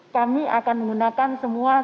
kami akan menggunakan semua